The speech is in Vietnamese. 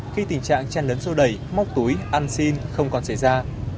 khi tình trạng chan lớn sâu đầy móc túi ăn xin không còn xảy ra